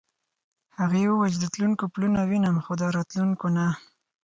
هغې وویل چې د تلونکو پلونه وینم خو د راوتونکو نه.